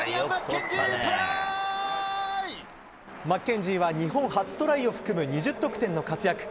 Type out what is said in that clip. マッケンジーは日本初トライを含む２０得点の活躍。